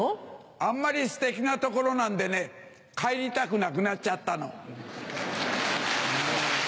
あんまりステキな所なんでね帰りたくなくなっちゃったの。